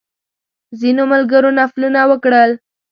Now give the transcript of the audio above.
ځینو ملګرو نفلونه وکړل.